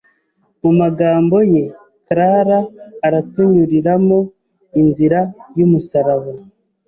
Mu magambo ye, Clara aratunyuriramo inzira y’umusaraba